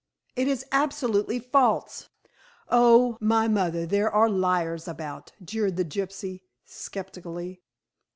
"It is absolutely false!" "Oh, my mother, there are liars about," jeered the gypsy sceptically.